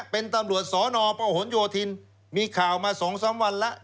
เป็นตำรวจสนประหลโยธินมีข่าวมา๒๓วันแล้ว